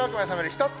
１つ